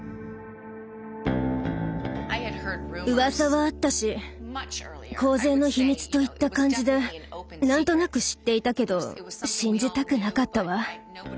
うわさはあったし公然の秘密といった感じで何となく知っていたけど信じたくなかったわ。